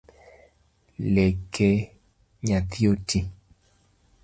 Leke nyathi oti?